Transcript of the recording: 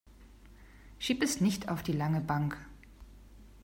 Schieb es nicht auf die lange Bank.